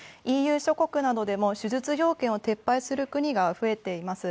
ＥＵ諸国などでも手術要件を撤廃する国が増えています。